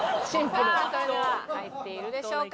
さあそれでは入っているでしょうか？